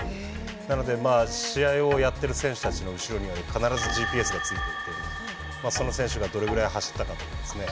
なので試合をやってる選手たちの後ろには必ずＧＰＳがついていてその選手がどれぐらい走ったかとかですね